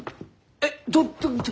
えっ？